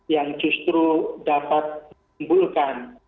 yang justru dapat menimbulkan